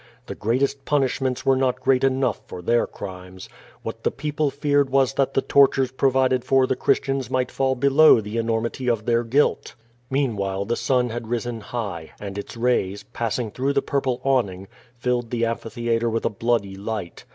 The greatest punishments were not great enough for their crimes. What the people feared was that the tortures provided for the Christians might fall below the enormity of their guilt. Meanwhile, the sun had risen high, and its rays, passing through the purple awning, filled the amphitheatre with a bloody light.